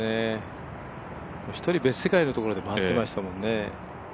１人別世界のところでやってましたもんね。